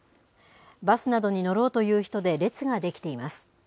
バスなどに乗ろうという人で列が出来ています。